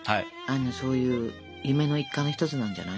そういう夢の一環の一つなんじゃない？